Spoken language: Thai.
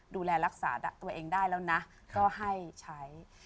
ดูแลรักษาตัวเองได้แล้วนะก็ให้ใช้